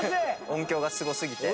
音量がすごすぎて。